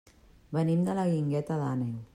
Venim de la Guingueta d'Àneu.